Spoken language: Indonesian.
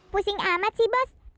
pusing amat sih bos